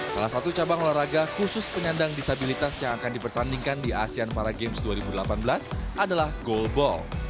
salah satu cabang olahraga khusus penyandang disabilitas yang akan dipertandingkan di asean para games dua ribu delapan belas adalah goalball